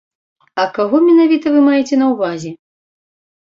А каго менавіта вы маеце на ўвазе?